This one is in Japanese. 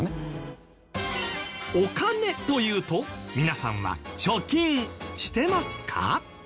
お金というと皆さんは貯金してますか？